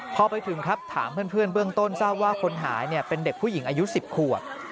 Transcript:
พอไปถึงครับถามเพื่อนเบื้องต้นทราบว่าคนหายเป็นเด็กผู้หญิงอายุ๑๐ขวบ